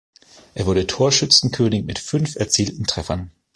Er wurde Torschützenkönig mit fünf erzielten Treffern.